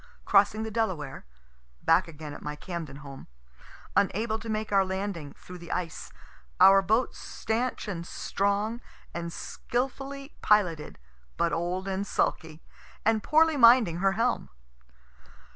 crossing the Delaware, (back again at my Camden home,) unable to make our landing, through the ice; our boat stanch and strong and skilfully piloted, but old and sulky, and poorly minding her helm.